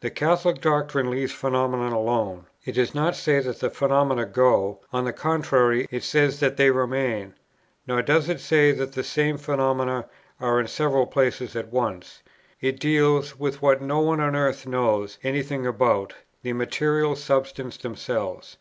The Catholic doctrine leaves phenomena alone. It does not say that the phenomena go; on the contrary, it says that they remain; nor does it say that the same phenomena are in several places at once. It deals with what no one on earth knows any thing about, the material substances themselves.